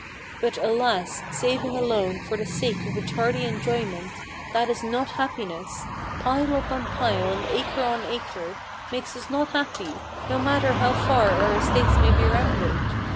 But, alas! saving alone, for the sake of a tardy enjoyment, That is not happiness: pile upon pile, and acre on acre, Make us not happy, no matter how fair our estates may be rounded.